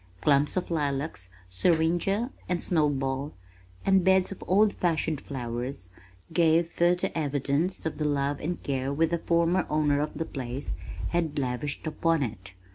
Clumps of lilacs, syringa and snow ball, and beds of old fashioned flowers gave further evidence of the love and care which the former owners of the place had lavished upon it.